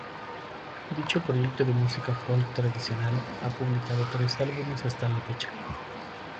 Dicho proyecto de música folk tradicional ha publicado tres álbumes hasta la fecha.